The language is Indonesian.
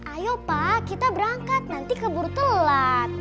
ayo pak kita berangkat nanti keburu telat